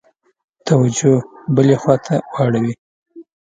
توجه بلي خواته واړوي.